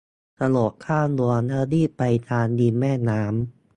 กระโดดข้ามรั้วแล้วรีบไปทางริมแม่น้ำ